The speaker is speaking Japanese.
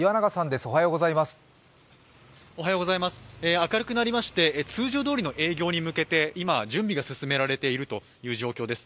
明るくなりまして通常どおりの営業に向けて今、準備が進められている状況です。